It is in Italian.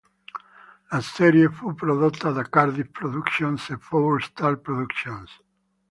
La serie fu prodotta da Cardiff Productions e Four Star Productions.